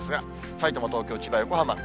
さいたま、東京、千葉、横浜。